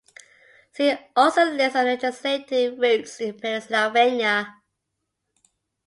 See also list of Legislative Routes in Pennsylvania.